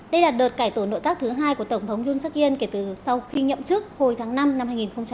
đây là đợt cải tổ nội các thứ hai của tổng thống yoon jak in kể từ sau khi nhậm chức hồi tháng năm năm hai nghìn một mươi chín